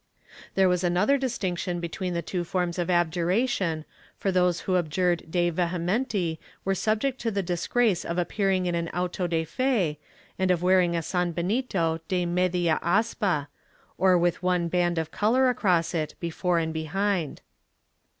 ^ There was another distinction between the two forms of abjuration, for those who abjured de vehementi were subject to the disgrace of appearing in an auto de fe and of wearing a sanbenito de media aspa — or with one band of color across it, before and behind.